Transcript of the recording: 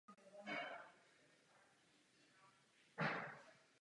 Toho roku se umístil také na pátém místě na Mistrovství světa ve sprintu.